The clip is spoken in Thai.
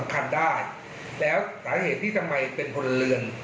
คันได้แล้วสาเหตุที่ทำไมเป็นพลเรือน